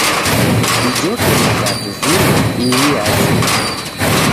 Dijhoke matatu zima, ihi yachua